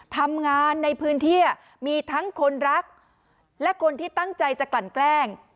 ทำงานในพื้นที่มีทั้งคนรักและคนที่ตั้งใจจะกลั่นแกล้ง